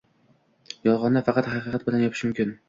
Yolg‘onni faqat haqiqat bilan yopish mumkin.